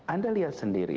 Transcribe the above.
anda lihat sendiri